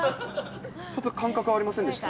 ちょっと感覚ありませんでした？